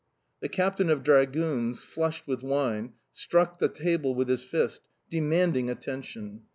The captain of dragoons, flushed with wine, struck the table with his fist, demanding attention.